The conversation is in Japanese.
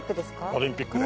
オリンピックで。